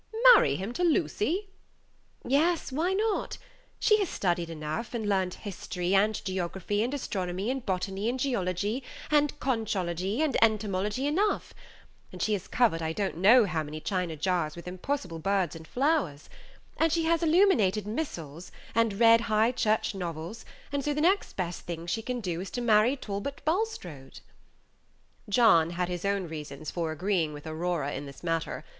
"Marry him to Lucy!" "Yes; why not? She has studied enough, and learned history, and geography, and astronomy, and botany, and geology, and conchology, and entomology enough; and she has covered I don't know how many China jars with impossible birds and flowers; and she has illuminated missals, and read High Church novels; so the next best thing she can do is to marry Talbot Bulstrode." John had his own reasons for agreeing with Aurora in this matter.